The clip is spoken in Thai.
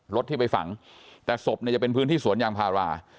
รถที่ไปฝังแต่ศพเนี่ยจะเป็นพื้นที่สวนยางพารา